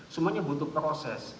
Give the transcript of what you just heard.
semuanya butuh proses